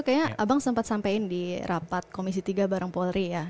kayaknya abang sempat sampaikan di rapat komisi tiga bareng polri ya